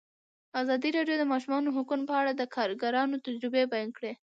ازادي راډیو د د ماشومانو حقونه په اړه د کارګرانو تجربې بیان کړي.